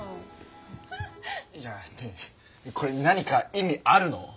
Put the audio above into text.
いやこれ何か意味あるの？